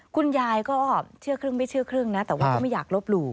คุณยายก็เชื่อครึ่งไม่เชื่อครึ่งนะแต่ว่าก็ไม่อยากลบหลู่